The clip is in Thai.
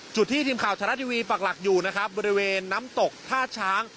ที่ทีมข่าวชะละทีวีปักหลักอยู่นะครับบริเวณน้ำตกท่าช้าง